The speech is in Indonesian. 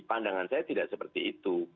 pandangan saya tidak seperti itu